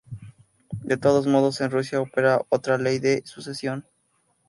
De todos modos, en Rusia opera otra ley de sucesión.